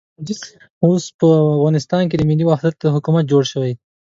اوس په افغانستان کې د ملي وحدت حکومت جوړ شوی.